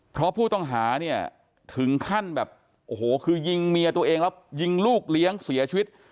เพราะผู้ต้องหาเนี่ยถึงขั้นแบบโอ้โหคือยิงเมียตัวเองแล้วยิงลูกเลี้ยงเสียชีวิต